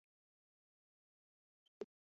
满洲八旗按资历深浅可分为旧满洲。